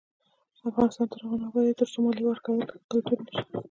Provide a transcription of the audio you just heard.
افغانستان تر هغو نه ابادیږي، ترڅو مالیه ورکول کلتور نشي.